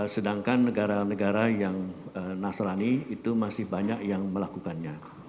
sedangkan negara negara yang nasrani itu masih banyak yang melakukannya